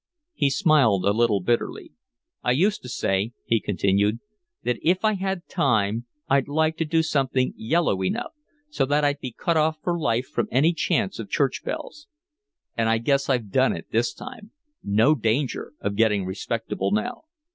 He smiled a little bitterly. "I used to say," he continued, "that if I had time I'd like to do something yellow enough so that I'd be cut off for life from any chance of church bells. And I guess I've done it this time no danger of getting respectable now."